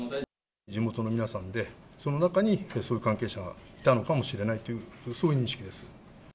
地元の皆さんで、その中にそういう関係者がいたのかもしれないという、そういう認識です。